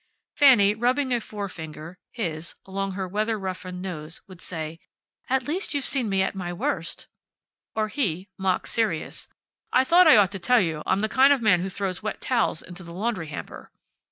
Fanny, rubbing a forefinger (his) along her weather roughened nose, would say, "At least you've seen me at my worst." Or he, mock serious: "I think I ought to tell you that I'm the kind of man who throws wet towels into the laundry hamper."